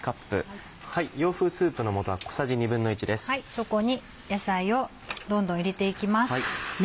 そこに野菜をどんどん入れて行きます。